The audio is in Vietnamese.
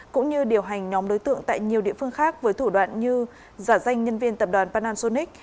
cũng như điều hành nhóm đối tượng tại nhiều địa phương khác với thủ đoạn như giả danh nhân viên tập đoàn panasonic